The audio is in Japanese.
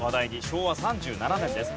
昭和３７年です。